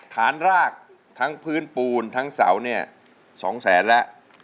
ฐานรากทั้งพื้นปูนทั้งเสาเนี่ย๒แสนแล้ว